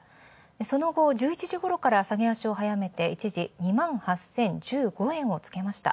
その後、１１時ごろから下げ足を早めて一時２８０１５円をつけました。